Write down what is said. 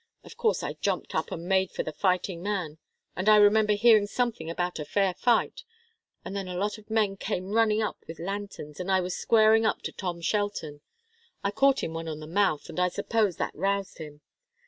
Of course I jumped up and made for the fighting man, and I remember hearing something about a fair fight, and then a lot of men came running up with lanterns, and I was squaring up to Tom Shelton. I caught him one on the mouth, and I suppose that roused him.